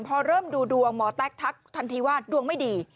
พอเริ่มดูดวงหมอแต๊กทักทันทีว่าดวงไม่ดี